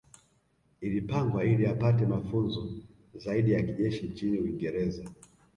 Ilipangwa ili apate mafunzo zaidi ya kijeshi nchini Uingereza